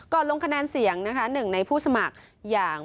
ก่อนลงคะแนนเสียง๑ในผู้สมัครอย่าง